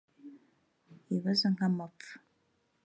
Ibibazo nkamapfa